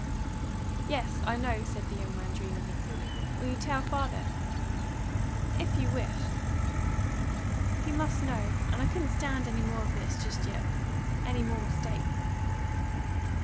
"Yes, I know," said the young man drearily. "Will you tell father?" "If you wish." "He must know. And I couldn't stand any more of this, just yet any more mistake."